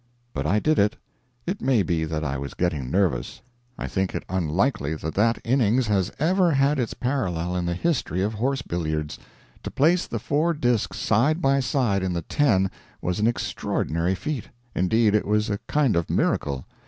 But I did it. It may be that I was getting nervous. I think it unlikely that that innings has ever had its parallel in the history of horse billiards. To place the four disks side by side in the 10 was an extraordinary feat; indeed, it was a kind of miracle.